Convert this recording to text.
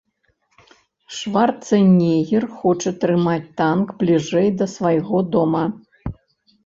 Шварцэнегер хоча трымаць танк бліжэй да свайго дома.